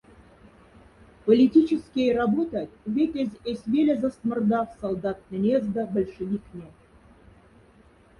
Политическяй работать вятезь эсь велезост мрдаф солдаттнень эзда большевикне.